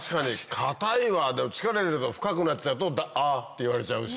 堅いわでも力入れると深くなっちゃうと「あ」って言われちゃうし。